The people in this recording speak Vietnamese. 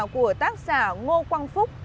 của tác giả ngô quang phúc